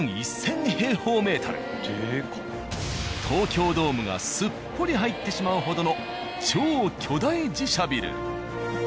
東京ドームがすっぽり入ってしまうほどの超巨大自社ビル。